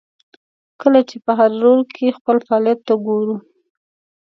کله چې په هر رول کې خپل فعالیت ته وګورو.